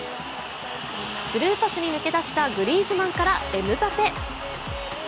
スルーパスに抜け出したグリーズマンからエムバペ。